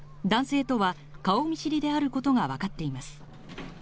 男性とは顔見知りであることがわかっています。